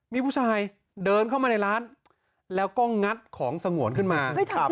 มีผู้ชายเดินเข้ามาในร้านแล้วก็งัดของสงวนขึ้นมา